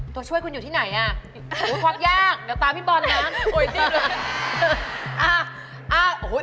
ตัวช่วยคุณอยู่ที่ไหนอ่ะเค้าชืออย่างหายากเดี๋ยวตามพี่บอลงั้น